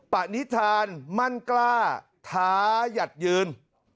ปณิธานมั่นกล้าท้ายัดยืน